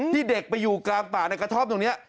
ที่เด็กไปอยู่กลางปากในกระทอบตรงนี้